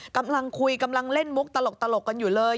กำลังคุยกำลังเล่นมุกตลกกันอยู่เลย